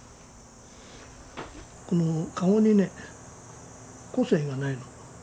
顔にね個性がないの。